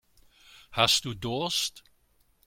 Hast du Durst?